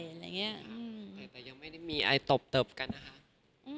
ยังไม่ได้มีอะไรตบกันคะ